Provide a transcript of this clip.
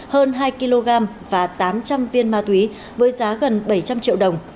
hơn hai kg và tám trăm linh viên ma túy với giá gần bảy trăm linh triệu đồng